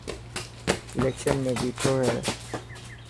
اليڪشن ۾ بيٺو هي.